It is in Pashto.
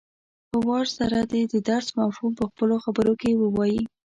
په وار سره دې د درس مفهوم په خپلو خبرو کې ووايي.